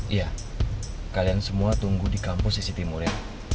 iya kalian semua tunggu di kampus sisi timur ya